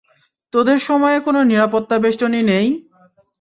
তোদের সময়ে কোনো নিরাপত্তা বেষ্টনী নেই?